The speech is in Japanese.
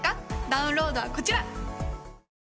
ダウンロードはこちら！